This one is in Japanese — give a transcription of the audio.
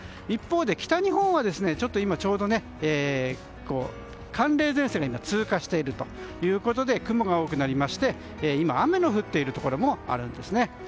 一方で北日本はちょうど寒冷前線が通過しているということで雲が多くなりまして今、雨の降っているところもあるんですね。